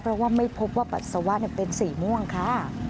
เพราะว่าไม่พบว่าปัสสาวะเป็นสีม่วงค่ะ